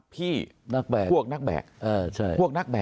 พี่พวกนักแบก